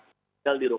jangan tinggal di rumah